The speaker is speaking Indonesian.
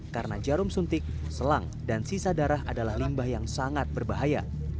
karena jarum suntik selang dan sisa darah adalah limbah yang sangat berbahaya